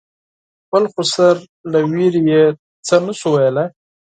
خپل خسر له وېرې یې څه نه شو ویلای.